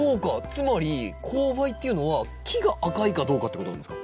つまり紅梅っていうのは木が赤いかどうかってことなんですか？